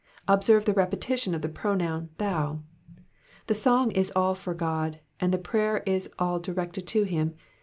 Observe the repetition of the pronoun thou ;'' the song is all for God, and the prayer ia all directed to him.